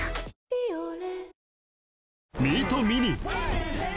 「ビオレ」